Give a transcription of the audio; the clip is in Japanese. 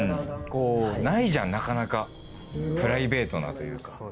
ないじゃんなかなかプライベートなというか。